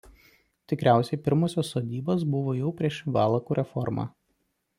Tikriausiai pirmosios sodybos buvo jau prieš Valakų reformą.